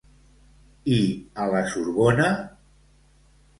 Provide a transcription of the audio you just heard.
I a la Sorbona?